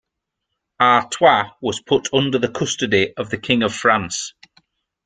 Artois was put under the custody of the King of France.